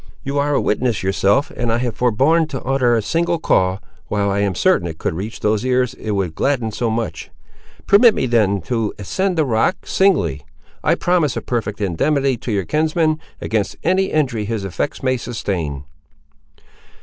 You are a witness yourself that I have forborne to utter a single call, while I am certain it could reach those ears it would gladden so much. Permit me then to ascend the rock, singly; I promise a perfect indemnity to your kinsman, against any injury his effects may sustain."